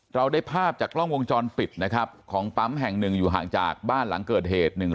เราได้ภาพจากกล้องวงจรปิดนะครับของปั๊มแห่งหนึ่งอยู่ห่างจากบ้านหลังเกิดเหตุ